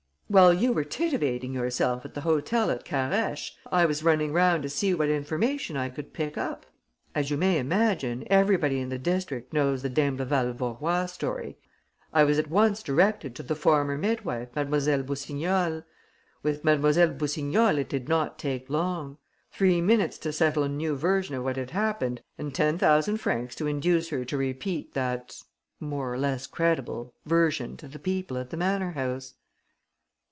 While you were titivating yourself at the hotel at Carhaix, I was running round to see what information I could pick up. As you may imagine, everybody in the district knows the d'Imbleval Vaurois story. I was at once directed to the former midwife, Mlle. Boussignol. With Mlle. Boussignol it did not take long. Three minutes to settle a new version of what had happened and ten thousand francs to induce her to repeat that ... more or less credible ... version to the people at the manor house."